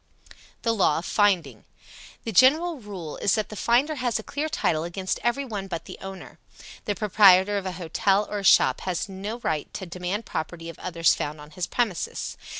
THE LAW OF FINDING. The general rule is that the finder has a clear title against every one but the owner. The proprietor of a hotel or a shop has no right to demand property of others found on his premises.